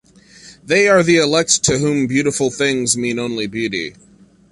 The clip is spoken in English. They are the elect to whom beautiful things mean only beauty.